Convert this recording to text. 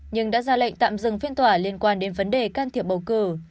nhưng đã ra lệnh tạm dừng phiên tòa liên quan đến vấn đề can thiệp bầu cử